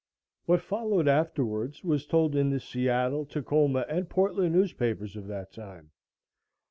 What followed afterwards was told in the Seattle, Tacoma and Portland newspapers of that time.